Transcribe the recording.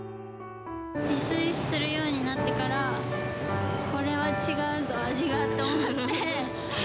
自炊するようになってから、これは違うぞ、味がって思って。